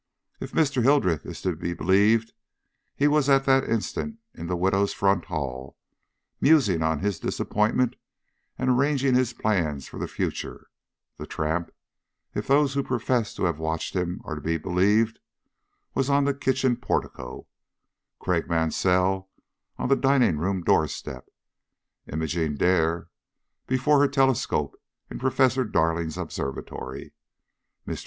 If Mr. Hildreth is to be believed, he was at that instant in the widow's front hall musing on his disappointment and arranging his plans for the future; the tramp, if those who profess to have watched him are to be believed, was on the kitchen portico; Craik Mansell on the dining room door step; Imogene Dare before her telescope in Professor Darling's observatory. Mr.